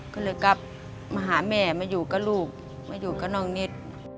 ก็เลยกลับมาหาแม่มาอยู่กับลูกมาอยู่กับน้องนิด